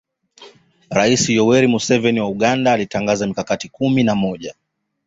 Rais Yoweri Museveni wa Uganda alitangaza mikakati kumi na moja